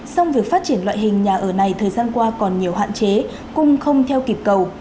song việc phát triển loại hình nhà ở này thời gian qua còn nhiều hạn chế cung không theo kịp cầu